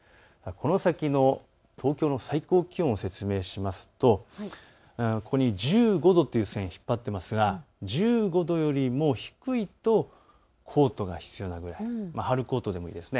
この先の東京の最高気温を説明するとここ２５度という線を引いていますが１５度よりも低いとコートが必要なぐらい、春コートでもいいです。